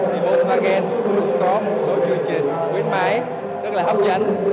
thì volkswagen cũng có một số chương trình khuyến mại rất là hấp dẫn